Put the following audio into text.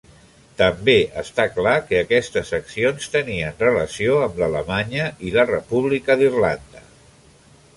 També està clar que aquestes accions tenien relació amb l'Alemanya i la República d'Irlanda.